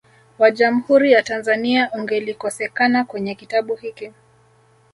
wa Jamhuri ya Tanzania ungelikosekana kwenye kitabu hiki